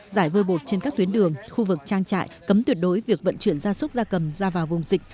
giải vơ bột trên các tuyến đường khu vực trang trại cấm tuyệt đối việc vận chuyển da súc da cầm ra vào vùng dịch